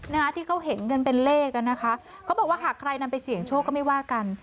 นะคะที่เขาเห็นกันเป็นเลขอ่ะนะคะเขาบอกว่าหากใครนำไปเสี่ยงโชคก็ไม่ว่ากัน